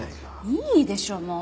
いいでしょもう。